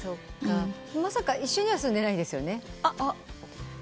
まさか一緒には住んでないですよね？